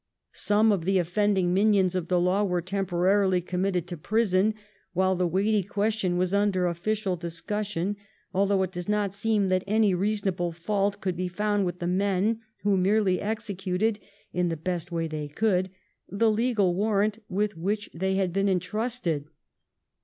Some of the offending minions of the law were temporarily committed to prison while the weighty question was under official discussion, although it does not seem that any reason able fault could be found with the men, who merely 170a THE RUSSIAN AMpASSADOR. 17 executed, in the best way they could, the legal warrant with which they had been entrusted.